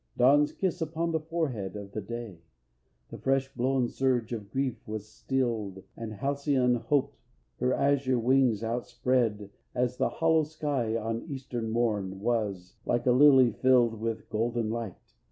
Dawn's kiss upon the forehead of the day! The fresh blown surge of grief was stilled, And halcyon hope her azure wings outspread As all the hollow sky on Easter morn Was, like a lily, filled with golden light.